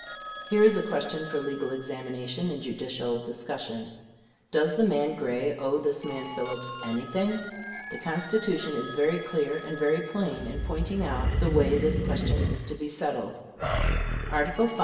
Here is a question for legal examination and judicial discussion. Does the man Gray owe this man Phillips any thing? The Constitution is very clear and very plain in pointing out the way this question is to be settled. Article V.